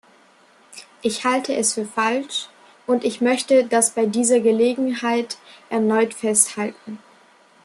Ich halte es für falsch, und ich möchte das bei dieser Gelegenheit erneut festhalten.